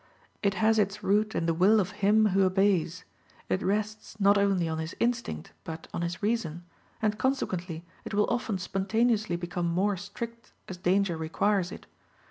It has its root in the will of him who obeys: it rests not only on his instinct, but on his reason; and consequently it will often spontaneously become more strict as danger requires it.